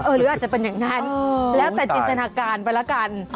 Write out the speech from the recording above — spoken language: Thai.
หรืออาจจะเป็นอย่างนั้นแล้วแต่จินตนาการไปแล้วกัน